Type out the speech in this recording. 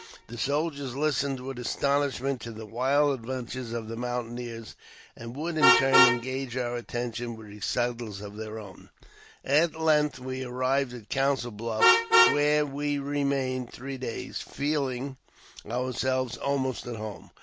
The soldiers listened with astonish ment to the wild adventures of the mountaineers, and would, in turn, engage our attention with recitals of their own experience. At length we arrived at Council Bluffs, where we remained three days, feeling ourselves almost at home.